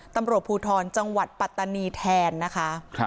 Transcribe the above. ตำรวจภูทรจังหวัดปัตตานีแทนนะคะ